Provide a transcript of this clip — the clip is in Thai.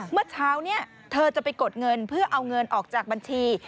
เมื่อเช้านี้เธอจะไปกดเงินเพื่อเอาเงินออกจากบัญชี